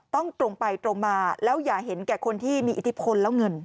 ตรงไปตรงมาแล้วอย่าเห็นแก่คนที่มีอิทธิพลแล้วเงิน